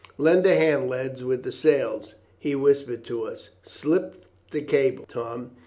'Lend a hand, lads, with the sails,' he whispered to us; 'slip the cable, Tom.'